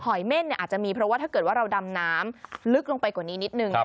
เม่นอาจจะมีเพราะว่าถ้าเกิดว่าเราดำน้ำลึกลงไปกว่านี้นิดนึง